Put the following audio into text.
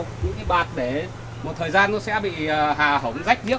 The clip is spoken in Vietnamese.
những cái bạt để một thời gian nó sẽ bị hà hống rách nhiếc